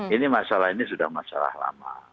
ini masalah ini sudah masalah lama